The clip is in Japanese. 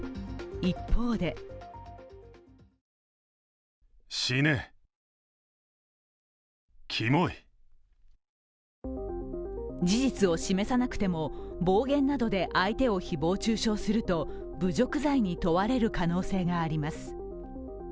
一方で事実を示さなくても暴言などで相手を誹謗中傷すると侮辱罪に問われる可能性があります。